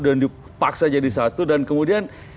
dan dipaksa jadi satu dan kemudian